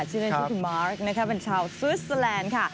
ชื่อในชื่อคือมาร์คเป็นชาวสวิสเซอร์แลนด์